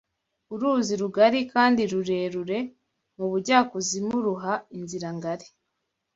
Uruzi rugari kandi rurerure mu bujyakuzimu ruha inzira ngari